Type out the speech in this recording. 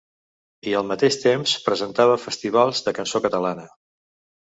I al mateix temps presentava festivals de cançó catalana.